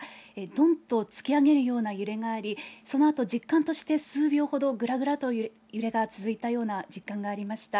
どんと突き上げるような揺れがあり、そのあと実感として、数秒ほど、ぐらぐらという揺れが続いたというような実感がありました。